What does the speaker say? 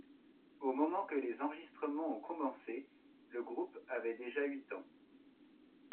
Au moment que les enregistrements ont commencé, le groupe avait déjà huit ans.